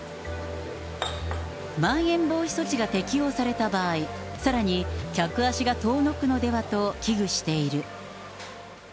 まん延防止措置が適用された場合、さらに、客足が遠のくのではと危惧している。